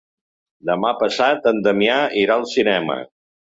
Demà passat en Damià irà al cinema.